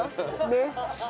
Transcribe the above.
ねっ。